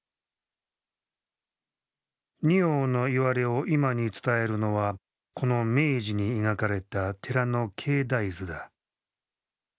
仁王のいわれを今に伝えるのはこの明治に描かれた寺の境内図だ。